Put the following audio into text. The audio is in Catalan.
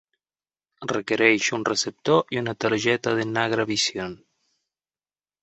Requereix un receptor i una targeta de Nagravision.